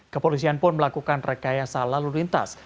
kepolisian pun melakukan rekayasa lalu lintas